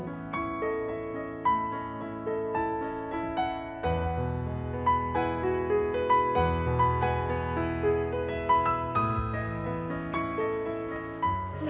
น่ารักแน่นะ